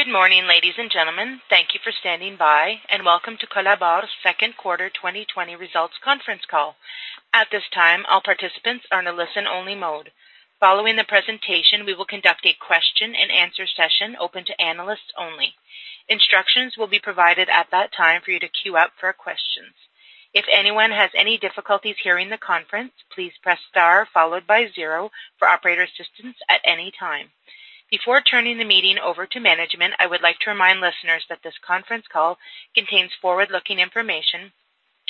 Good morning, ladies and gentlemen. Thank you for standing by, and welcome to Colabor's second quarter 2020 results conference call. At this time, all participants are in a listen-only mode. Following the presentation, we will conduct a question-and-answer session open to analysts only. Instructions will be provided at that time for you to queue up for questions. If anyone has any difficulties hearing the conference, please press star followed by zero for operator assistance at any time. Before turning the meeting over to management, I would like to remind listeners that this conference call contains forward-looking information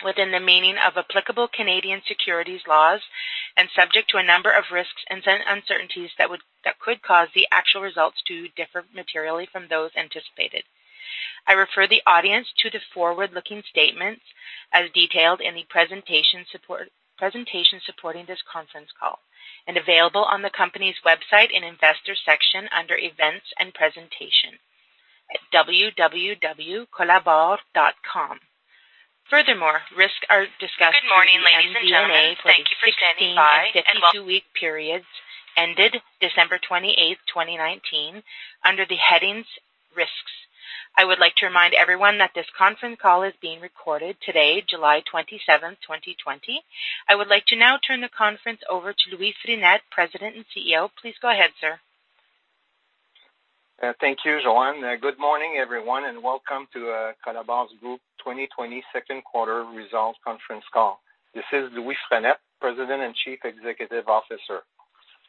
within the meaning of applicable Canadian Securities Laws and subject to a number of risks and uncertainties that could cause the actual results to differ materially from those anticipated. I refer the audience to the forward-looking statements as detailed in the presentation supporting this conference call, and available on the company's website in Investor section under Events and Presentation at www.colabor.com. Furthermore, risks are discussed throughout the MD&A for the 16-week and 52-week periods ended December 28th, 2019, under the headings Risks. I would like to remind everyone that this conference call is being recorded today, July 27th, 2020. I would like to now turn the conference over to Louis Frenette, President and CEO. Please go ahead, sir. Thank you, Joan. Good morning, everyone, and welcome to Colabor Group 2020 second-quarter results conference call. This is Louis Frenette, President and Chief Executive Officer.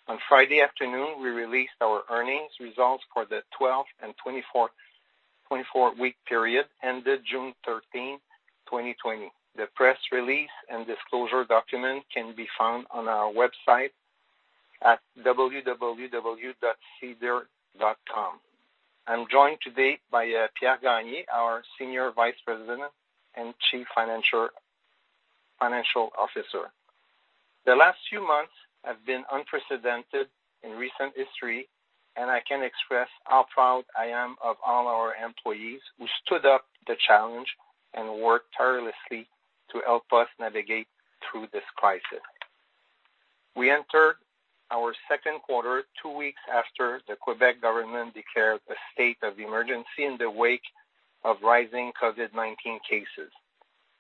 On Friday afternoon, we released our earnings results for the 12-week and 24-week period ended June 13, 2020. The press release and disclosure document can be found on our website at www.sedar.com. I'm joined today by Pierre Gagné, our Senior Vice President and Chief Financial Officer. The last few months have been unprecedented in recent history, and I can't express how proud I am of all our employees who stood up the challenge and worked tirelessly to help us navigate through this crisis. We entered our second quarter two weeks after the Quebec government declared a state of emergency in the wake of rising COVID-19 cases.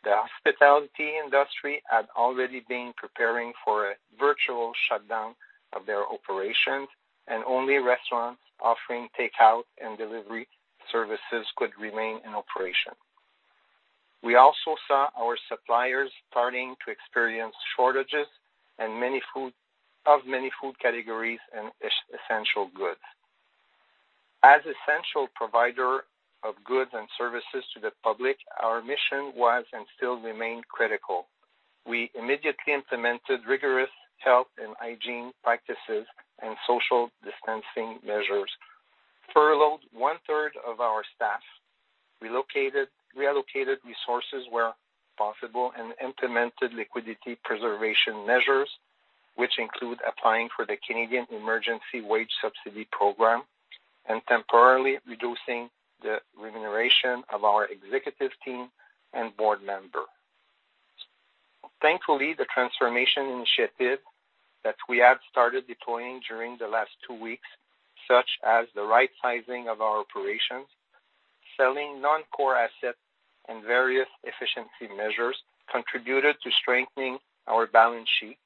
The hospitality industry had already been preparing for a virtual shutdown of their operations, and only restaurants offering takeout and delivery services could remain in operation. We also saw our suppliers starting to experience shortages of many food categories and essential goods. As essential provider of goods and services to the public, our mission was and still remain critical. We immediately implemented rigorous health and hygiene practices and social distancing measures, furloughed 1/3 of our staff, reallocated resources where possible, and implemented liquidity preservation measures, which include applying for the Canadian Emergency Wage Subsidy program and temporarily reducing the remuneration of our Executive Team and Board Member. Thankfully, the transformation initiative that we had started deploying during the last two weeks, such as the right-sizing of our operations, selling non-core assets, and various efficiency measures, contributed to strengthening our balance sheet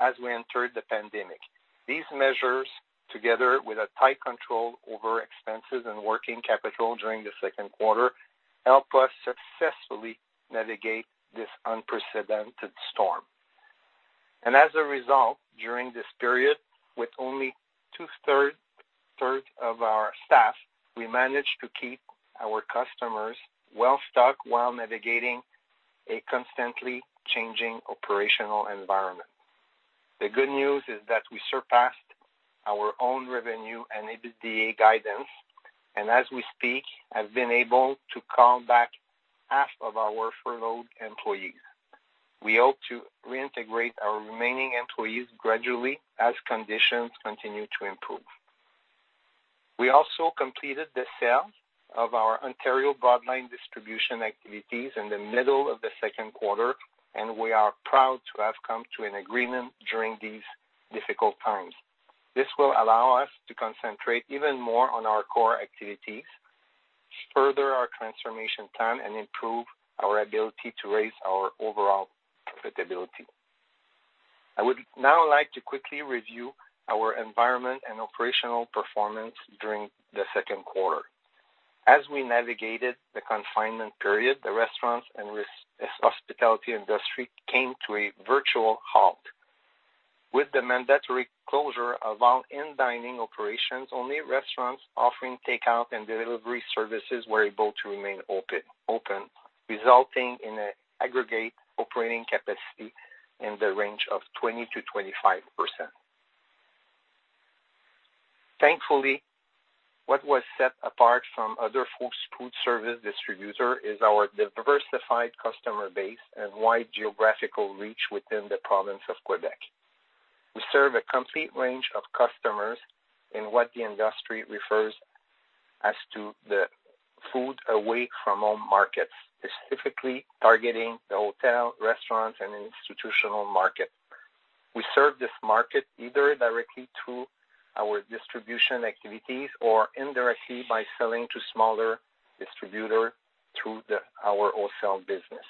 as we entered the pandemic. These measures, together with a tight control over expenses and working capital during the second quarter, helped us successfully navigate this unprecedented storm. As a result, during this period, with only two-thirds of our staff, we managed to keep our customers well-stocked while navigating a constantly changing operational environment. The good news is that we surpassed our own revenue and EBITDA guidance, and as we speak, have been able to call back half of our furloughed employees. We hope to reintegrate our remaining employees gradually as conditions continue to improve. We also completed the sale of our Ontario broadline distribution activities in the middle of the second quarter, and we are proud to have come to an agreement during these difficult times. This will allow us to concentrate even more on our core activities, further our transformation plan, and improve our ability to raise our overall profitability. I would now like to quickly review our environment and operational performance during the second quarter. As we navigated the confinement period, the restaurants and hospitality industry came to a virtual halt. With the mandatory closure of all in-dining operations, only restaurants offering takeout and delivery services were able to remain open, resulting in an aggregate operating capacity in the range of 20%-25%. Thankfully, what was set apart from other food service distributor is our diversified customer base and wide geographical reach within the province of Quebec. We serve a complete range of customers in what the industry refers as to the food away from home markets, specifically targeting the hotel, restaurant, and institutional market. We serve this market either directly through our distribution activities or indirectly by selling to smaller distributor through our wholesale business.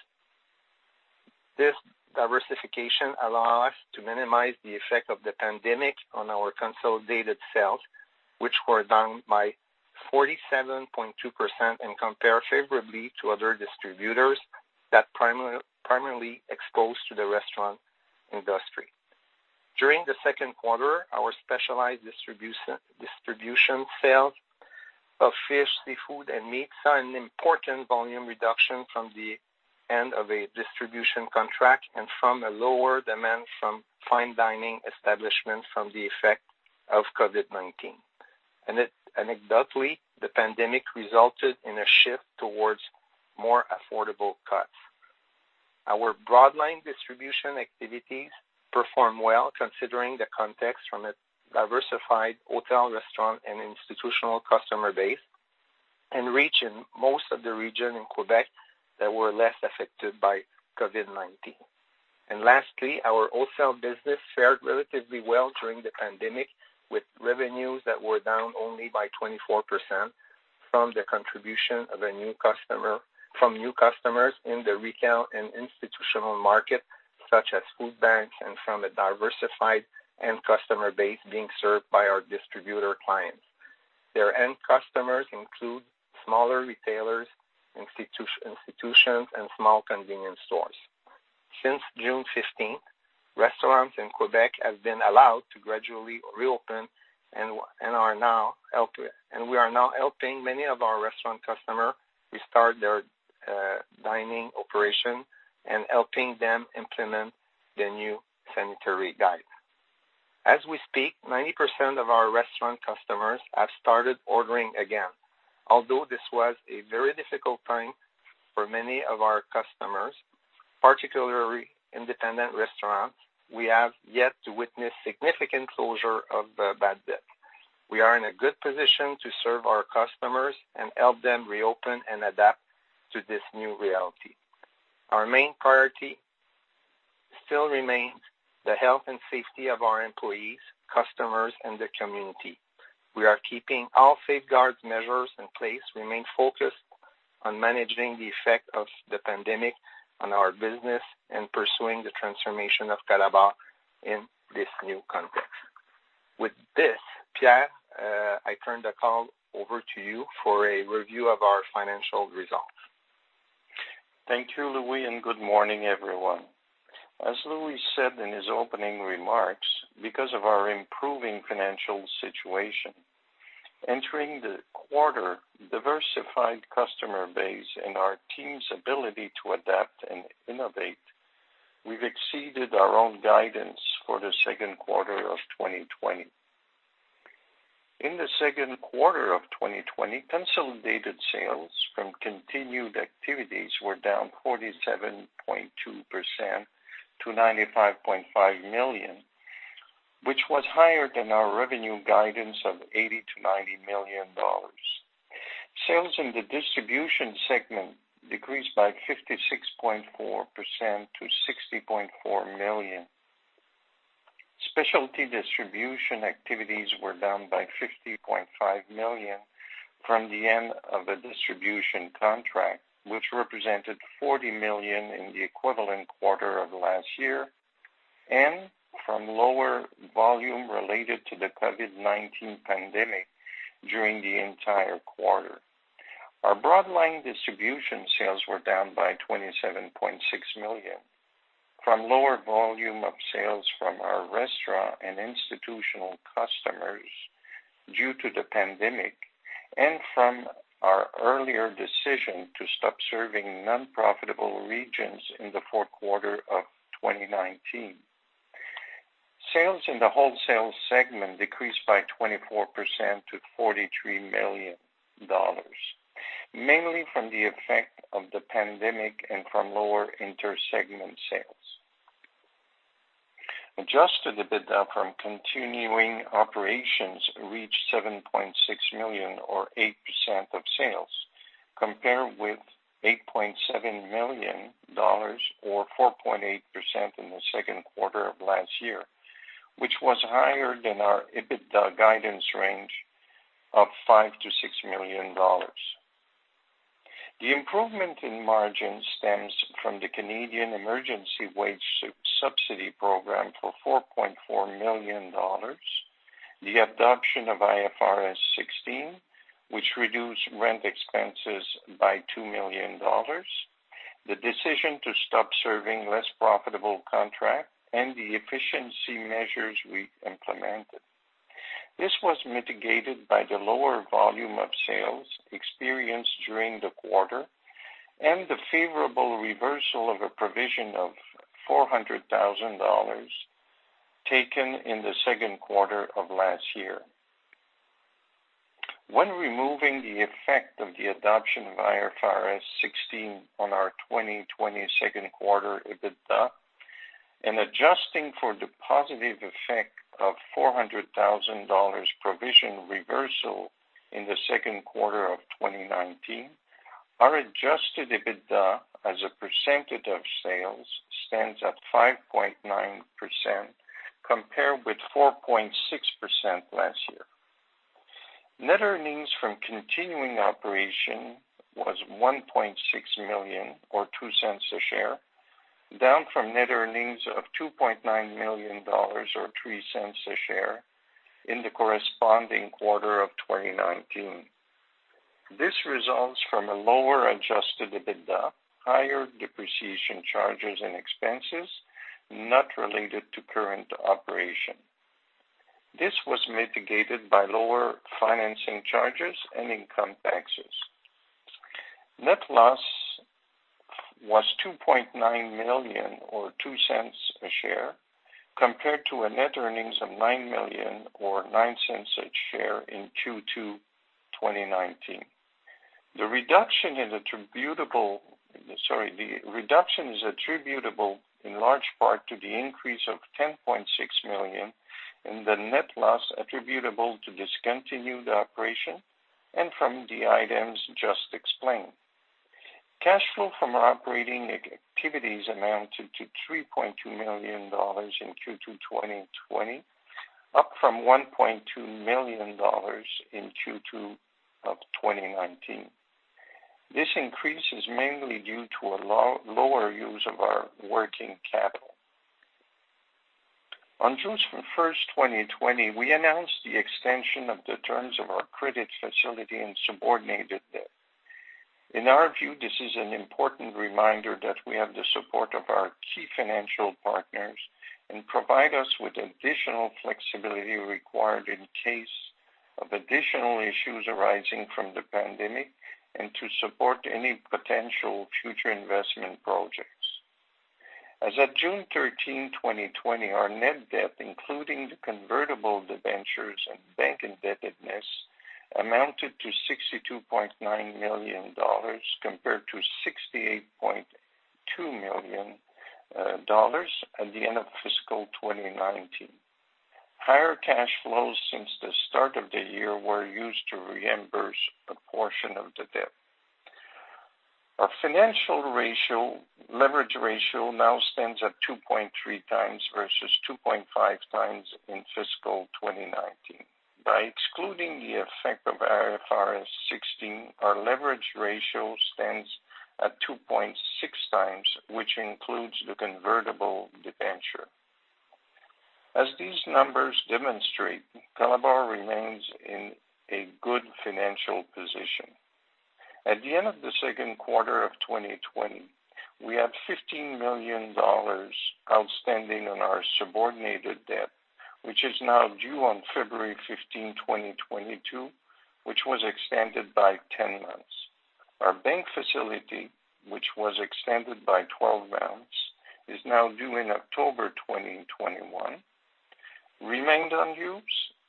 This diversification allows us to minimize the effect of the pandemic on our consolidated sales, which were down by 47.2% and compare favorably to other distributors that primarily exposed to the restaurant industry. During the second quarter, our specialized distribution sales of fish, seafood, and meats saw an important volume reduction from the end of a distribution contract and from a lower demand from fine dining establishments from the effect of COVID-19. Anecdotally, the pandemic resulted in a shift towards more affordable cuts. Our broadline distribution activities performed well, considering the context from a diversified hotel, restaurant, and institutional customer base and reach in most of the region in Quebec that were less affected by COVID-19. Lastly, our wholesale business fared relatively well during the pandemic, with revenues that were down only by 24% from the contribution from new customers in the retail and institutional market, such as food banks and from a diversified end customer base being served by our distributor clients. Their end customers include smaller retailers, institutions, and small convenience stores. Since June 15th, restaurants in Quebec have been allowed to gradually reopen and we are now helping many of our restaurant customer restart their dining operation and helping them implement the new sanitary guide. As we speak, 90% of our restaurant customers have started ordering again. Although this was a very difficult time for many of our customers, particularly independent restaurants, we have yet to witness significant closure of the bad debt. We are in a good position to serve our customers and help them reopen and adapt to this new reality. Our main priority still remains the health and safety of our employees, customers, and the community. We are keeping all safeguards measures in place. We remain focused on managing the effect of the pandemic on our business and pursuing the transformation of Colabor in this new context. With this, Pierre, I turn the call over to you for a review of our financial results. Thank you, Louis, and good morning, everyone. As Louis said in his opening remarks, because of our improving financial situation, entering the quarter diversified customer base and our team's ability to adapt and innovate, we've exceeded our own guidance for the second quarter of 2020. In the second quarter of 2020, consolidated sales from continued activities were down 47.2% to $95.5 million, which was higher than our revenue guidance of 80 million-$90 million. Sales in the distribution segment decreased by 56.4% to $60.4 million. Specialty distribution activities were down by $50.5 million from the end of a distribution contract, which represented $40 million in the equivalent quarter of last year, and from lower volume related to the COVID-19 pandemic during the entire quarter. Our broadline distribution sales were down by $27.6 million from lower volume of sales from our restaurant and institutional customers due to the pandemic and from our earlier decision to stop serving non-profitable regions in the fourth quarter of 2019. Sales in the wholesale segment decreased by 24% to $43 million, mainly from the effect of the pandemic and from lower inter-segment sales. Adjusted EBITDA from continuing operations reached $7.6 million or 8% of sales, compared with $8.7 million or 4.8% in the second quarter of last year, which was higher than our EBITDA guidance range of $5 million-$6 million. The improvement in margin stems from the Canadian Emergency Wage Subsidy program for $4.4 million, the adoption of IFRS 16, which reduced rent expenses by $2 million, the decision to stop serving less profitable contract, and the efficiency measures we implemented. This was mitigated by the lower volume of sales experienced during the quarter and the favorable reversal of a provision of $400,000 taken in the second quarter of last year. When removing the effect of the adoption of IFRS 16 on our 2020 second quarter EBITDA and adjusting for the positive effect of $400,000 provision reversal in the second quarter of 2019, our adjusted EBITDA as a percentage of sales stands at 5.9%, compared with 4.6% last year. Net earnings from continuing operation was $1.6 million or $0.02 a share, down from net earnings of $2.9 million or $0.03 a share in the corresponding quarter of 2019. This results from a lower adjusted EBITDA, higher depreciation charges and expenses not related to current operation. This was mitigated by lower financing charges and income taxes. Net loss was $2.9 million or $0.02 a share, compared to a net earnings of $9 million or $0.09 a share in Q2 2019. The reduction is attributable in large part to the increase of $10.6 million, and the net loss attributable to discontinued operation and from the items just explained. Cash flow from our operating activities amounted to $3.2 million in Q2 2020, up from $1.2 million in Q2 of 2019. This increase is mainly due to a lower use of our working capital. On June 1st, 2020, we announced the extension of the terms of our credit facility and subordinated debt. In our view, this is an important reminder that we have the support of our key financial partners and provide us with additional flexibility required in case of additional issues arising from the pandemic and to support any potential future investment projects. As of June 13, 2020, our net debt, including the convertible debentures and bank indebtedness, amounted to $62.9 million compared to $68.2 million at the end of fiscal 2019. Higher cash flows since the start of the year were used to reimburse a portion of the debt. Our financial leverage ratio now stands at 2.3x versus 2.5x in fiscal 2019. By excluding the effect of IFRS 16, our leverage ratio stands at 2.6x, which includes the convertible debenture. As these numbers demonstrate, Colabor remains in a good financial position. At the end of the second quarter of 2020, we had $15 million outstanding on our subordinated debt, which is now due on February 15, 2022, which was extended by 10 months. Our bank facility, which was extended by 12 rounds, is now due in October 2021, remained on use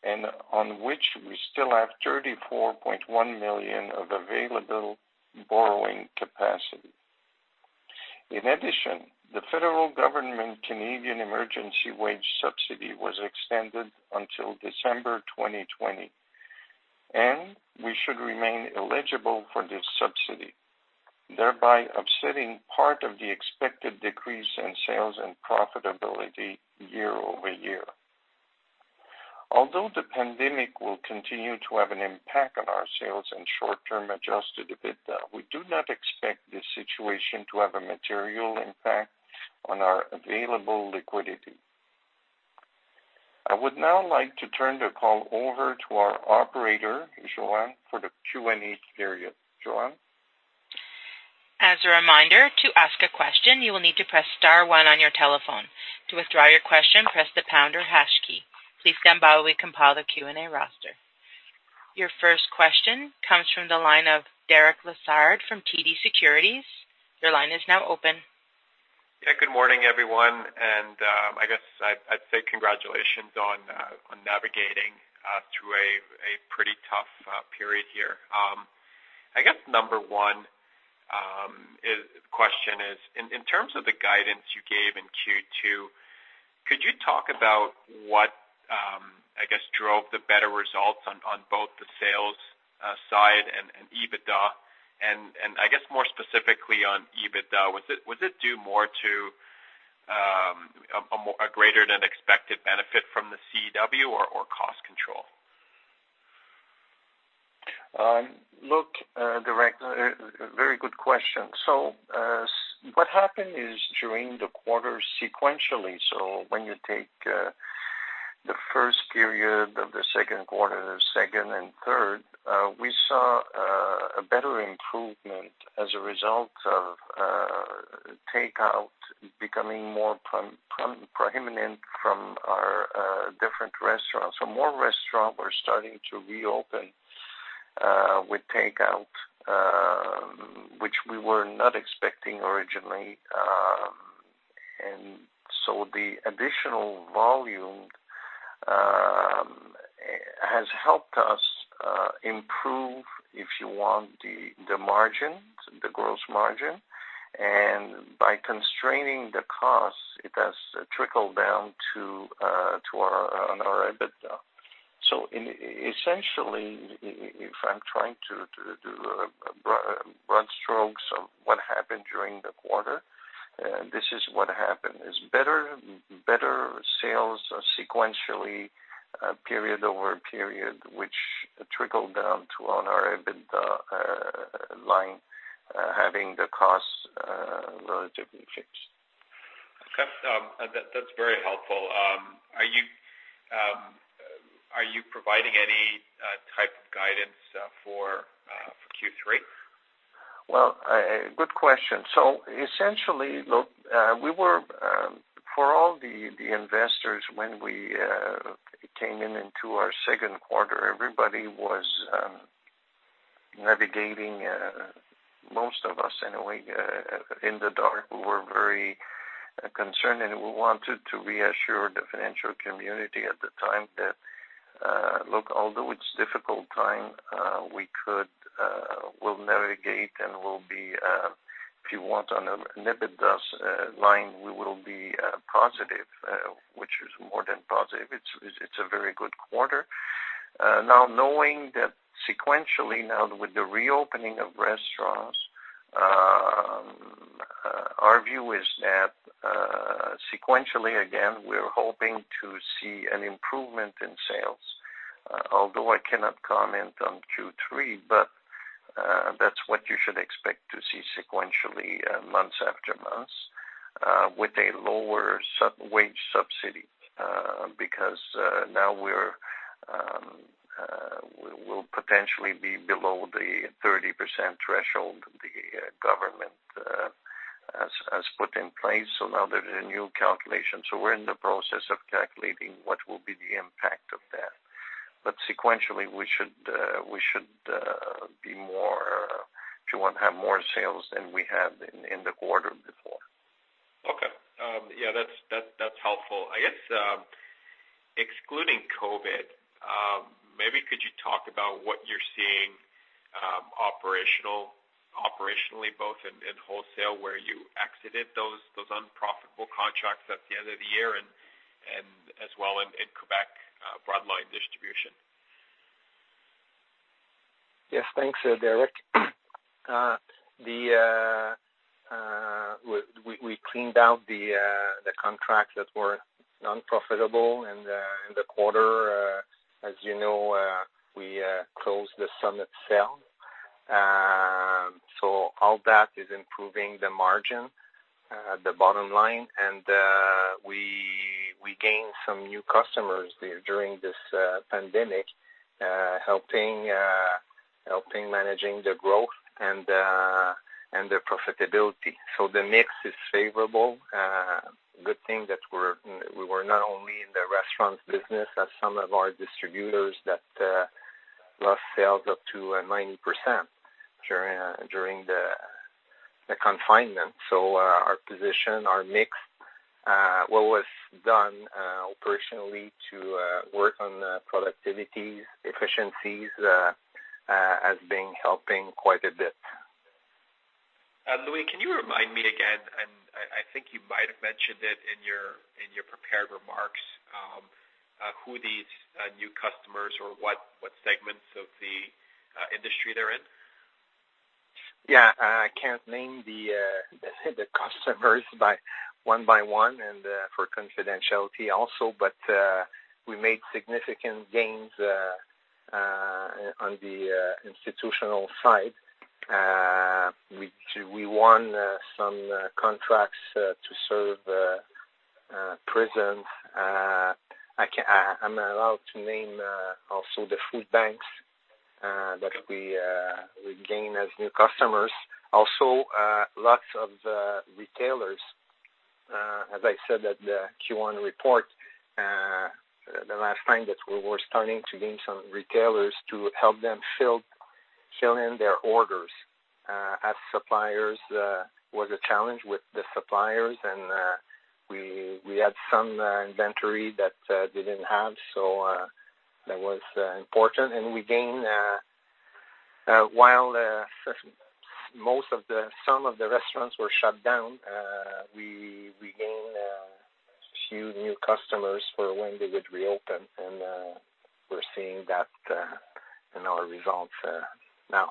and on which we still have $34.1 million of available borrowing capacity. In addition, the federal government Canadian Emergency Wage Subsidy was extended until December 2020, and we should remain eligible for this subsidy, thereby offsetting part of the expected decrease in sales and profitability year-over-year. Although the pandemic will continue to have an impact on our sales and short-term adjusted EBITDA, we do not expect this situation to have a material impact on our available liquidity. I would now like to turn the call over to our operator, Joan, for the Q&A period. Joan? As a reminder, to ask a question, you will need to press star one on your telephone. To withdraw your question, press the pound or hash key. Please stand by while we compile the Q&A roster. Your first question comes from the line of Derek Lessard from TD Securities. Your line is now open. Good morning, everyone, and I guess I'd say congratulations on navigating through a pretty tough period here. I guess number one question is, in terms of the guidance you gave in Q2, could you talk about what, I guess, drove the better results on both the sales side and EBITDA? I guess more specifically on EBITDA, was it due more to a greater-than-expected benefit from the CW or cost control? Look, Derek, a very good question. What happened is during the quarter sequentially, when you take the first period of the second quarter, the second and third, we saw a better improvement as a result of takeout becoming more prominent from our different restaurants. More restaurants were starting to reopen with takeout, which we were not expecting originally. The additional volume has helped us improve, if you want, the margin, the gross margin, and by constraining the costs, it has trickled down to our EBITDA. Essentially, if I'm trying to do broad strokes of what happened during the quarter, this is what happened. Better sales sequentially, period-over-period, which trickled down to on our EBITDA line, having the cost relatively fixed. Okay. That's very helpful. Are you providing any type of guidance for Q3? Well, good question. Essentially, for all the investors, when we came in into our second quarter, everybody was navigating, most of us anyway, in the dark. We were very concerned, and we wanted to reassure the financial community at the time that although it's difficult time, we'll navigate and if you want on an EBITDA line, we will be positive, which is more than positive. It's a very good quarter. Knowing that sequentially now with the reopening of restaurants, our view is that sequentially, again, we're hoping to see an improvement in sales. Although I cannot comment on Q3, but that's what you should expect to see sequentially, months after months, with a lower wage subsidy. Because now we'll potentially be below the 30% threshold the government has put in place. Now there's a new calculation, so we're in the process of calculating what will be the impact of that. Sequentially, we should, if you want, have more sales than we had in the quarter before. Okay. Yeah, that's helpful. I guess, excluding COVID, maybe could you talk about what you're seeing operationally, both in wholesale where you exited those unprofitable contracts at the end of the year and as well in Quebec broadline distribution? Yes. Thanks, Derek. We cleaned out the contracts that were non-profitable in the quarter. As you know, we closed the Summit sale. All that is improving the margin, the bottom line. We gained some new customers during this pandemic, helping managing the growth and the profitability. The mix is favorable. Good thing that we were not only in the restaurant business as some of our distributors that lost sales up to 90% during the confinement. Our position, our mix, what was done operationally to work on productivity, efficiencies, has been helping quite a bit. Louis, can you remind me again, and I think you might have mentioned it in your prepared remarks, who these new customers or what segments of the industry they're in? Yeah. I can't name the customers one by one and for confidentiality also. We made significant gains on the institutional side. We won some contracts to serve prisons. I'm not allowed to name also the food banks that we gain as new customers. Also, lots of retailers. As I said at the Q1 report, the last time that we were starting to gain some retailers to help them fill in their orders as suppliers was a challenge with the suppliers. We had some inventory that they didn't have, so that was important. While some of the restaurants were shut down, we gained a few new customers for when they would reopen. We're seeing that in our results now.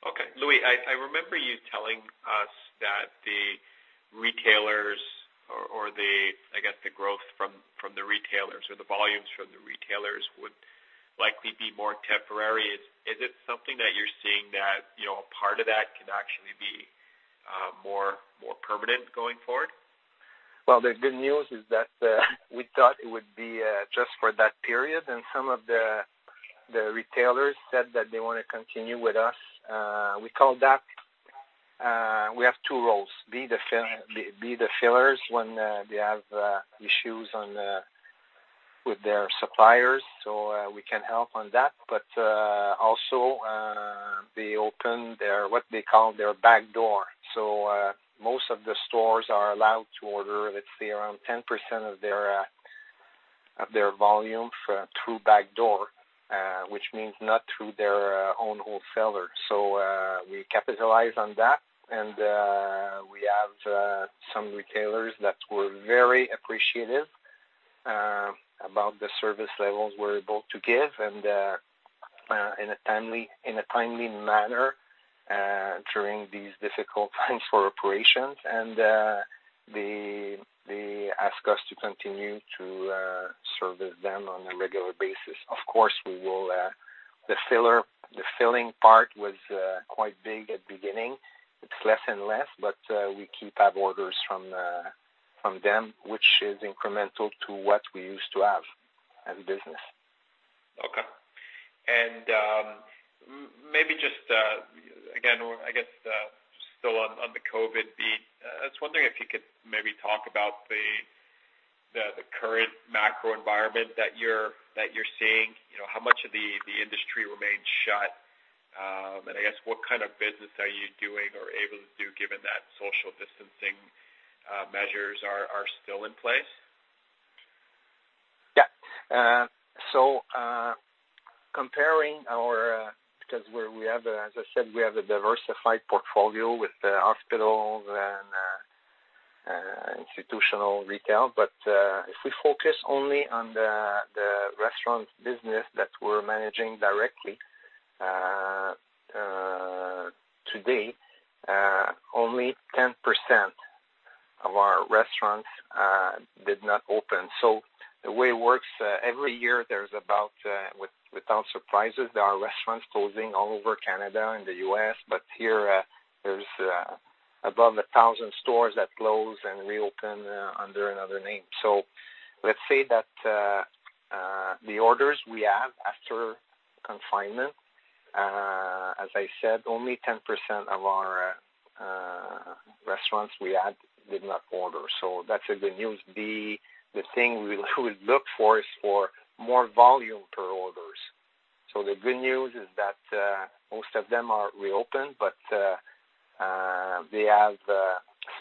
Okay. Louis, I remember you telling us that the retailers or, I guess, the growth from the retailers or the volumes from the retailers would likely be more temporary. Is it something that you're seeing that a part of that can actually be more permanent going forward? Well, the good news is that we thought it would be just for that period, and some of the retailers said that they want to continue with us. We have two roles. Be the fillers when they have issues with their suppliers, so we can help on that. Also, they open their, what they call their back door. Most of the stores are allowed to order, let's say around 10% of their volume through back door. Which means not through their own wholesaler. We capitalize on that, and we have some retailers that were very appreciative about the service levels we're able to give and in a timely manner during these difficult times for operations. They ask us to continue to service them on a regular basis. Of course, we will. The filling part was quite big at beginning, it's less and less, but we keep have orders from them, which is incremental to what we used to have as a business. Okay. Maybe just, again, I guess, still on the COVID beat. I was wondering if you could maybe talk about the current macro environment that you're seeing. How much of the industry remained shut? I guess what kind of business are you doing or able to do given that social distancing measures are still in place? Yeah. Because as I said, we have a diversified portfolio with the hospitals and institutional retail. If we focus only on the restaurant business that we are managing directly, to date, only 10% of our restaurants did not open. The way it works every year there's about without surprises, there are restaurants closing all over Canada and the U.S. But here, there's above 1,000 stores that close and reopen under another name. Let's say that the orders we have after confinement as I said, only 10% of our restaurants we had did not order. That's a good news. The thing we look for is for more volume per orders. The good news is that most of them are reopened, but they have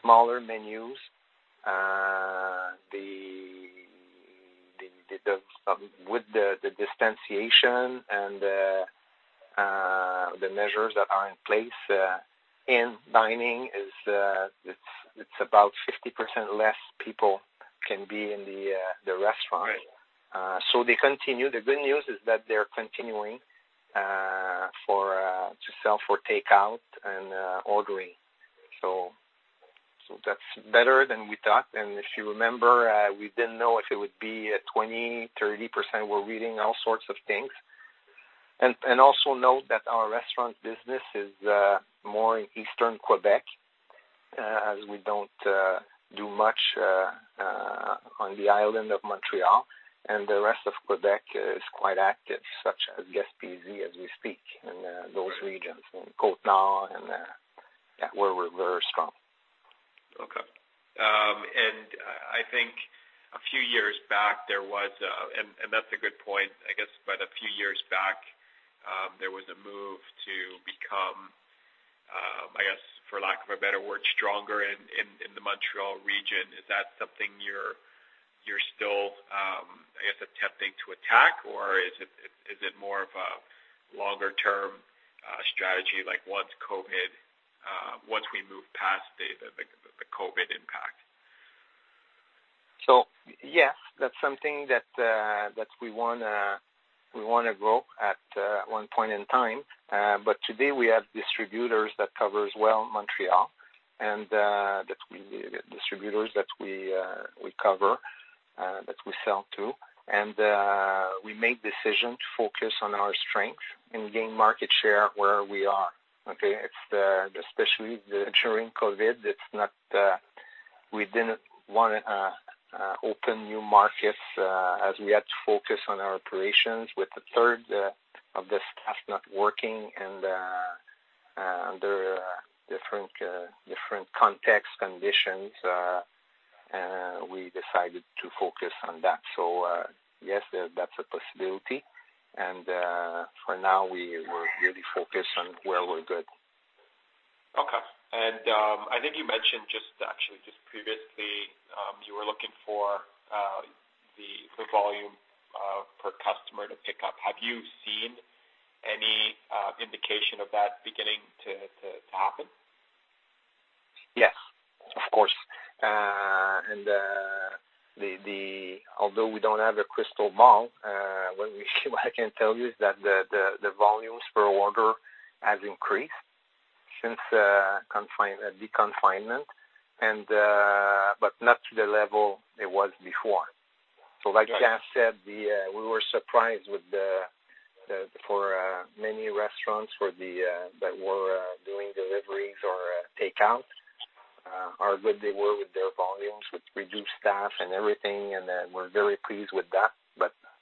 smaller menus. With the distanciation and the measures that are in place in dining, it's about 50% less people can be in the restaurant. Right. They continue. The good news is that they're continuing to sell for takeout and ordering. That's better than we thought. If you remember, we didn't know if it would be at 20%, 30%. We're reading all sorts of things. Also note that our restaurant business is more in Eastern Quebec. We don't do much on the island of Montreal, and the rest of Quebec is quite active, such as Gaspésie as we speak, in those regions, Côte-Nord and where we're very strong. Okay. That's a good point. I guess, a few years back there was a move to become, I guess, for lack of a better word, stronger in the Montreal region. Is that something you're still, I guess, attempting to attack? Or is it more of a longer-term strategy, like once we move past the COVID impact? Yes, that's something that we want to grow at one point in time. Today we have distributors that covers well Montreal, and distributors that we cover, that we sell to. We made decision to focus on our strength and gain market share where we are. Especially during COVID, we didn't want to open new markets as we had to focus on our operations with 1/3 of this test not working and under different context, conditions. We decided to focus on that. Yes, that's a possibility. For now, we're really focused on where we're good. Okay. I think you mentioned just actually just previously, you were looking for the volume per customer to pick up. Have you seen any indication of that beginning to happen? Yes, of course. Although we don't have a crystal ball, what I can tell you is that the volumes per order has increased since the confinement but not to the level it was before. Like I said, we were surprised for many restaurants that were doing deliveries or takeout how good they were with their volumes, with reduced staff and everything. We're very pleased with that.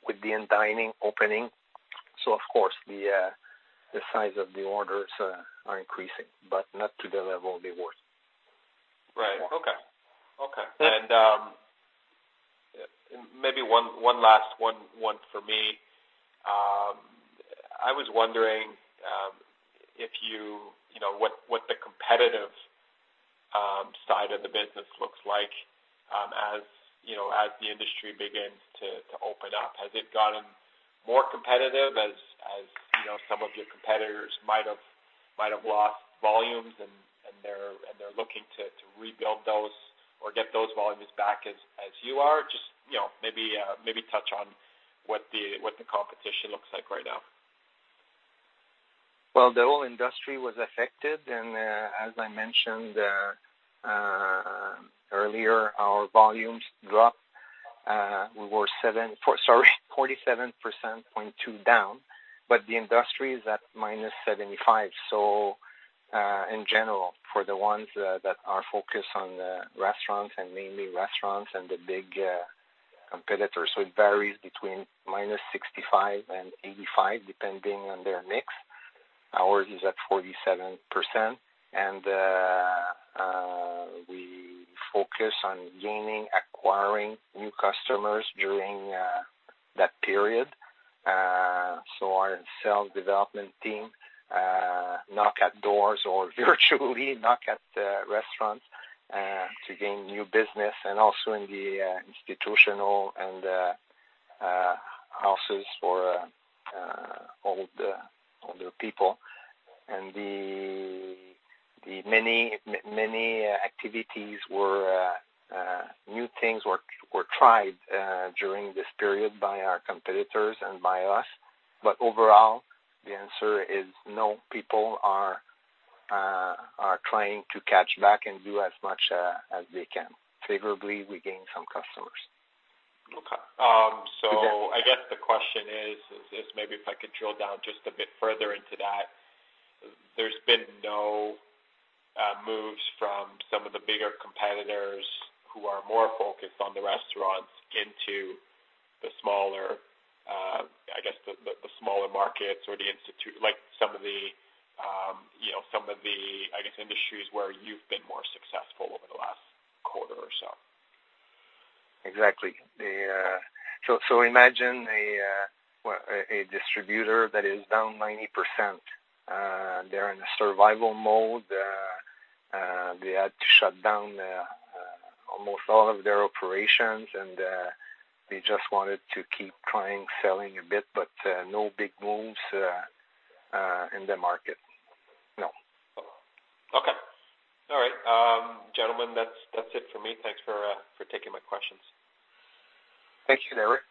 With the in-dining opening, so of course, the size of the orders are increasing, but not to the level they worth. Right. Okay. Maybe one last one for me. I was wondering what the competitive side of the business looks like as the industry begins to open up. Has it gotten more competitive as some of your competitors might have lost volumes and they're looking to rebuild those or get those volumes back as you are? Just maybe touch on what the competition looks like right now. Well, the whole industry was affected. As I mentioned earlier, our volumes dropped. We were 47.2% down. The industry is at -75%. In general, for the ones that are focused on restaurants and mainly restaurants and the big competitors, it varies between -65% and -85%, depending on their mix. Ours is at 47%. We focus on gaining, acquiring new customers during that period. Our sales development team knock at doors or virtually knock at restaurants to gain new business, and also in the institutional and houses for older people. New things were tried during this period by our competitors and by us. Overall, the answer is no. People are trying to catch back and do as much as they can. Favorably, we gained some customers. Okay. I guess the question is, maybe if I could drill down just a bit further into that, there's been no moves from some of the bigger competitors who are more focused on the restaurants into the smaller markets or like some of the industries where you've been more successful over the last quarter or so? Exactly. Imagine a distributor that is down 90%. They're in survival mode. They had to shut down almost all of their operations, and they just wanted to keep trying, selling a bit, but no big moves in the market. No. Okay. All right. Gentlemen, that's it for me. Thanks for taking my questions. Thank you, Derek.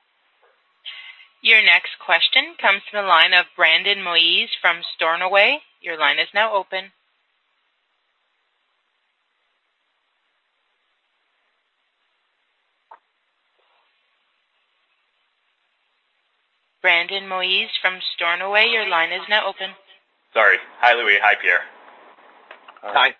Your next question comes from the line of Brandon Moyse from Stornoway. Your line is now open. Brandon Moyse from Stornoway, your line is now open. Sorry. Hi, Louis. Hi, Pierre. Hi.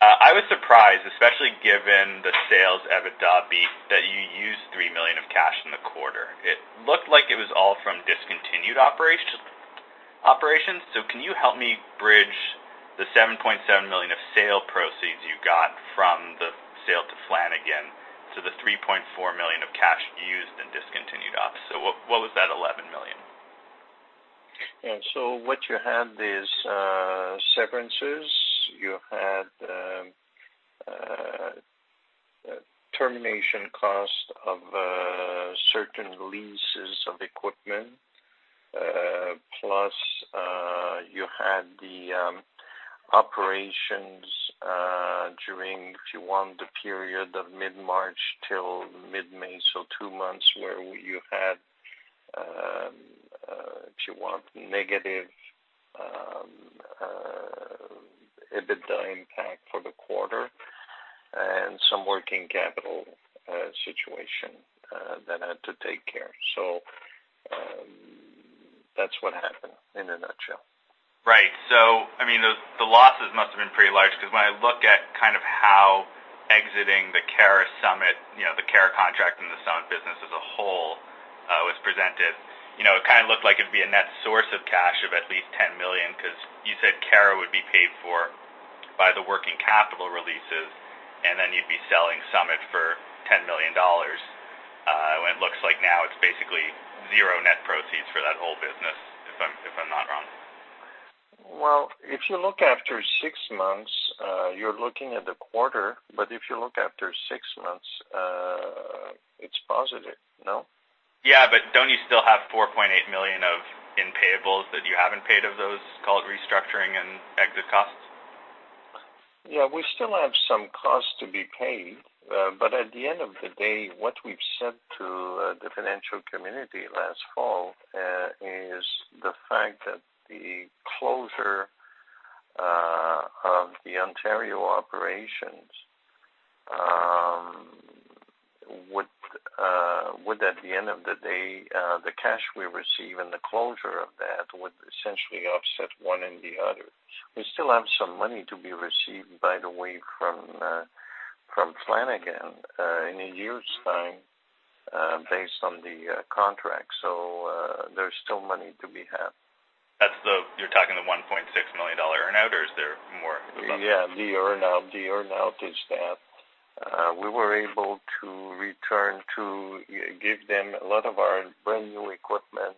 I was surprised, especially given the sales EBITDA beat, that you used $3 million of cash in the quarter. It looked like it was all from discontinued operations. Can you help me bridge the $7.7 million of sale proceeds you got from the sale to Flanagan to the $3.4 million of cash used in discontinued ops? What was that $11 million? Yeah. What you had is severances. You had termination cost of certain leases of equipment. Plus, you had the operations, during, if you want, the period of mid-March till mid-May. Two months where you had, if you want, negative EBITDA impact for the quarter and some working capital situation that had to take care. That's what happened in a nutshell. Right. The losses must have been pretty large because when I look at kind of how exiting the Cara contract in the Summit business as a whole was presented. It kind of looked like it'd be a net source of cash of at least $10 million because you said Cara would be paid for by the working capital releases, and then you'd be selling Summit for $10 million. It looks like now it's basically zero net proceeds for that whole business, if I'm not wrong. Well, if you look after six months, you're looking at the quarter, but if you look after six months, it's positive, no? Yeah, don't you still have $4.8 million in payables that you haven't paid of those called restructuring and exit costs? Yeah, we still have some costs to be paid. At the end of the day, what we've said to the financial community last fall is the fact that the closure of the Ontario operations would, at the end of the day, the cash we receive and the closure of that would essentially offset one and the other. We still have some money to be received, by the way, from Flanagan in a year's time based on the contract. There's still money to be had. You're talking the $1.6 million earn-out or is there more above? Yeah, the earn-out is that we were able to return to give them a lot of our brand-new equipment,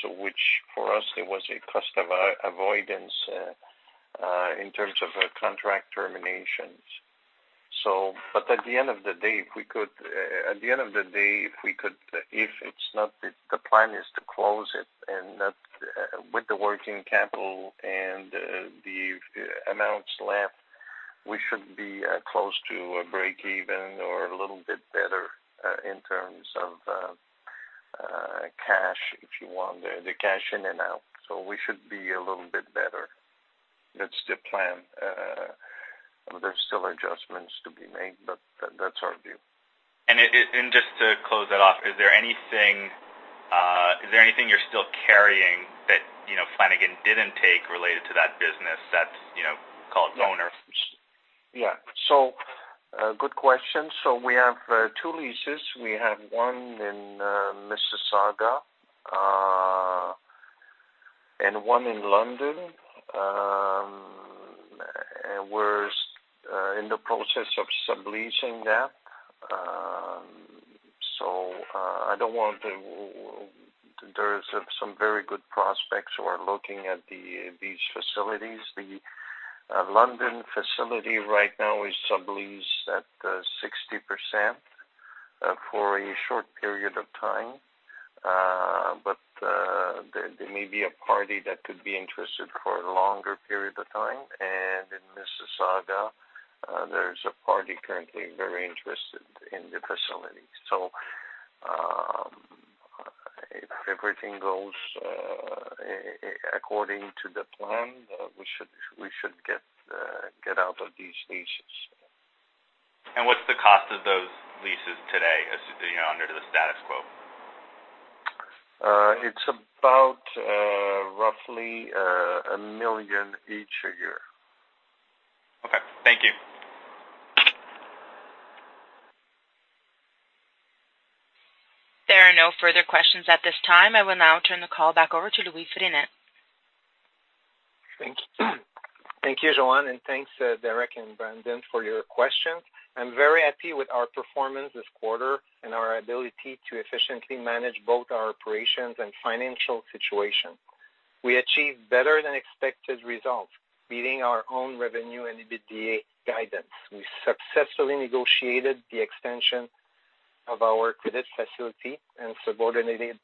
so which for us it was a cost avoidance in terms of contract terminations. At the end of the day, if the plan is to close it and with the working capital and the amounts left, we should be close to a breakeven or a little bit better, in terms of cash, if you want, the cash in and out. We should be a little bit better. That's the plan. There's still adjustments to be made, but that's our view. Just to close that off, is there anything you're still carrying that Flanagan didn't take related to that business that call its owners? Yeah. Good question. We have two leases. We have one in Mississauga, and one in London, and we're in the process of subleasing that. There's some very good prospects who are looking at these facilities. The London facility right now is subleased at 60% for a short period of time. There may be a party that could be interested for a longer period of time. In Mississauga, there's a party currently very interested in the facility. If everything goes according to the plan, we should get out of these leases. What's the cost of those leases today as it is under the status quo? It's about roughly $1 million each a year. Okay. Thank you. There are no further questions at this time. I will now turn the call back over to Louis Frenette. Thank you, Joan, and thanks Derek and Brandon, for your questions. I'm very happy with our performance this quarter and our ability to efficiently manage both our operations and financial situation. We achieved better than expected results, beating our own revenue and EBITDA guidance. We successfully negotiated the extension of our credit facility and subordinated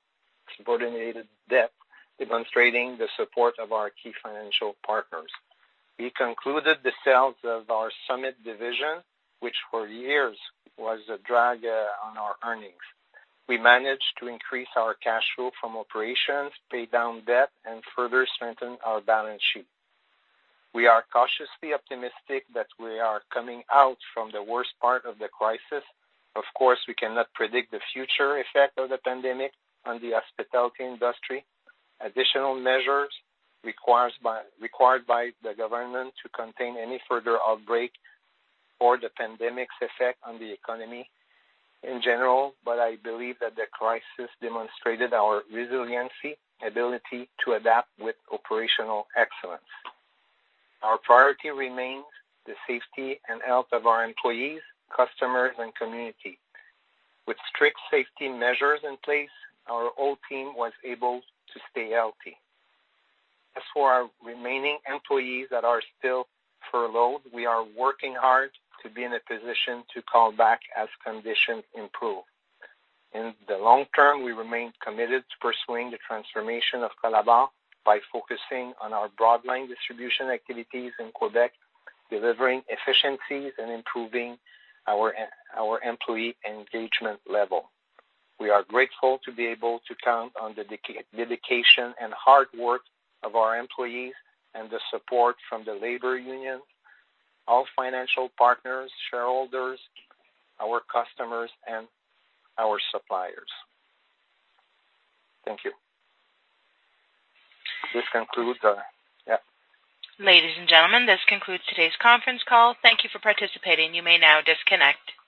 debt, demonstrating the support of our key financial partners. We concluded the sales of our Summit division, which for years was a drag on our earnings. We managed to increase our cash flow from operations, pay down debt, and further strengthen our balance sheet. We are cautiously optimistic that we are coming out from the worst part of the crisis. Of course, we cannot predict the future effect of the pandemic on the hospitality industry. Additional measures required by the government to contain any further outbreak or the pandemic's effect on the economy in general. I believe that the crisis demonstrated our resiliency, ability to adapt with operational excellence. Our priority remains the safety and health of our employees, customers, and community. With strict safety measures in place, our old team was able to stay healthy. As for our remaining employees that are still furloughed, we are working hard to be in a position to call back as conditions improve. In the long term, we remain committed to pursuing the transformation of Colabor by focusing on our broadline distribution activities in Quebec, delivering efficiencies, and improving our employee engagement level. We are grateful to be able to count on the dedication and hard work of our employees and the support from the labor union, our financial partners, shareholders, our customers, and our suppliers. Thank you. This concludes. Yeah. Ladies and gentlemen, this concludes today's conference call. Thank you for participating. You may now disconnect.